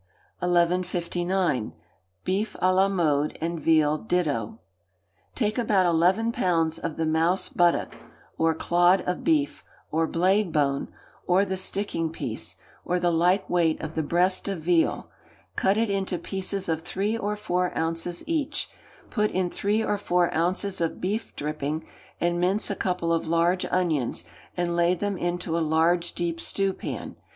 ] 1159. Beef à la Mode and Veal Ditto. Take about eleven pounds of the mouse buttock, or clod of beef, or blade bone, or the sticking piece, or the like weight of the breast of veal; cut it into pieces of three or four ounces each; put in three or four ounces of beef dripping, and mince a couple of large onions, and lay them into a large deep stewpan.